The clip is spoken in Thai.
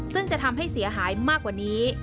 ซึ่งจะทำให้เสียหายมากกว่านี้